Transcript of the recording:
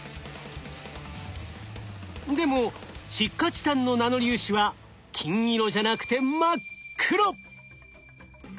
でも窒化チタンのナノ粒子は金色じゃなくて真っ黒！